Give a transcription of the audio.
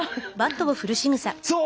そう！